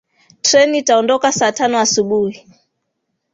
Treni itaondoka saa tano asubuhi